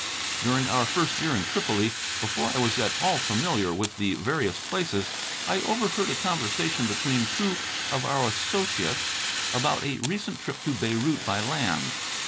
During our first year in Tripoli, before I was at all familiar with the various places, I overheard a conversation between two of our associates about a recent trip to Beirut by land.